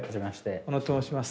小野と申します。